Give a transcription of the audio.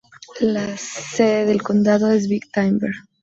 La sede del condado es Big Timber.